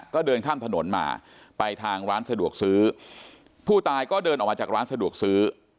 ก็เดินข้ามถนนมาไปทางร้านสะดวกซื้อผู้ตายก็เดินออกมาจากร้านสะดวกซื้อ